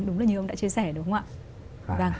đúng là như ông đã chia sẻ đúng không ạ